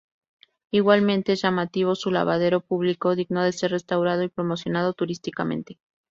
Igualmente es llamativo su lavadero público, digno de ser restaurado y promocionado turísticamente.